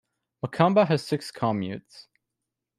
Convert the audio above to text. Makamba has six communes.